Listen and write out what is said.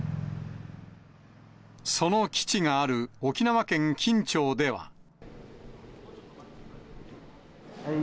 その基地がある沖縄県金武町では。